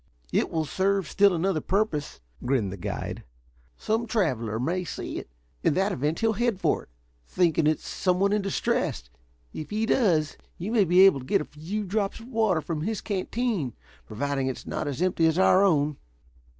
"It will serve still another purpose," grinned the guide. "Some traveler may see it. In that event he'll head for it, thinking it's some one in distress. If he does, you may be able to get a few drops of water from his canteen, providing it's not as empty as our own."